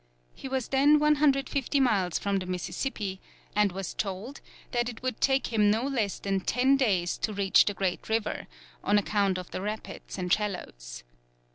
He was then 150 miles from the Mississippi, and was told that it would take him no less than ten days to reach the great river, on account of the rapids and shallows.